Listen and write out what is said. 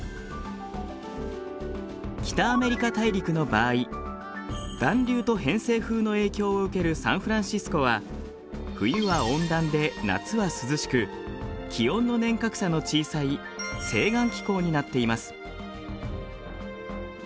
北アメリカ大陸の場合暖流と偏西風の影響を受けるサンフランシスコは冬は温暖で夏は涼しく気温の年較差の小さい西岸気候になっています。